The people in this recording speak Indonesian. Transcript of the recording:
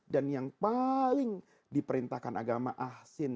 dan yang paling diperintahkan agama aksin